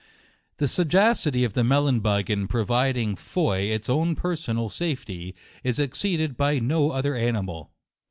The sagacity of the melon bug in provid ing foi its own personal safety, is exceeded by no other animal.